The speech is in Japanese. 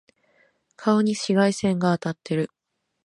顔に紫外線が当たってる。